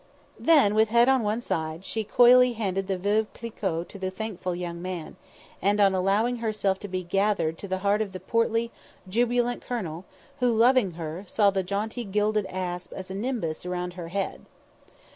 Then, with head on one side, she coyly handed the Veuve Clicquot to the thankful young man, and allowed herself to be gathered to the heart of the portly, jubilant colonel, who, loving her, saw the jaunty gilded asp as a nimbus around her head.